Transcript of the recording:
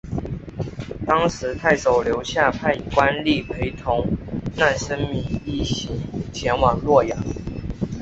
当时太守刘夏派官吏陪同难升米一行前往洛阳。